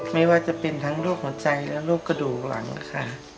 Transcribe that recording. ไม่ว่าจะเป็นทั้งรูปของใจและรูปกระดูกหลังค่ะ